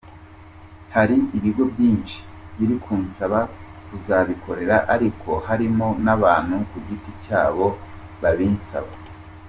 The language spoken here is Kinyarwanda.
Hari ibigo byinshi biri kunsaba kuzibakorera ariko harimo n’abantu kugiti cyabo babinsabye.